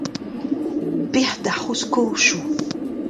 Bec'h d'ar c'hozh kaozioù!